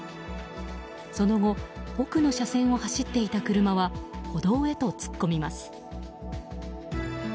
その後、奥の車線を走っていた車は歩道へと突っ込みます。